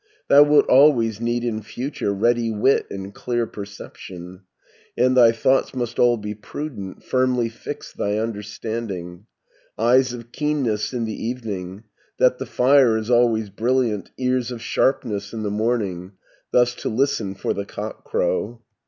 100 "Thou wilt always need in future Ready wit and clear perception, And thy thoughts must all be prudent, Firmly fixed thy understanding, Eyes of keenness in the evening, That the fire is always brilliant, Ears of sharpness in the morning, Thus to listen for the cockcrow.